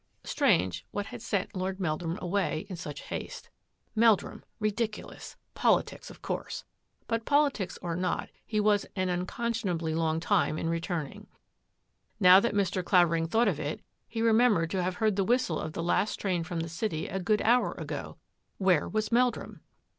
Strange what had sent Lord Meldrum awa such haste. Meldrum, ridiculous! Politics course. But politics or not, he was an un scionably long time in returning. Now that Clavering thought of it, he remembered to heard the whistle of the last train from the ci good hour ago. Where was Meldrum?